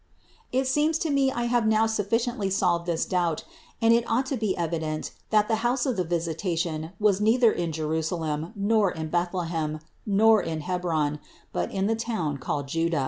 It seems to me I have now sufficiently solved this doubt, and it THE INCARNATION 171 ought to be evident that the house of the Visitation was neither in Jerusalem, nor in Bethlehem, nor in Hebron, but in the town called Juda.